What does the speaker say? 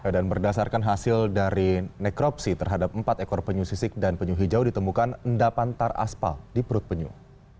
dan berdasarkan hasil dari nekropsi terhadap empat ekor penyuh sisik dan penyuh hijau ditemukan enda pantar aspal di perut penyuh